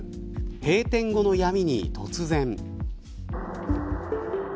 閉店後の闇に突然。